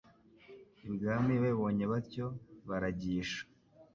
ibwami babibonye batyo baragisha